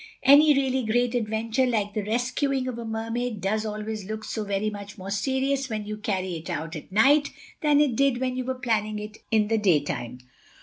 Any really great adventure like the rescuing of a Mermaid does always look so very much more serious when you carry it out, at night, than it did when you were planning it in the daytime.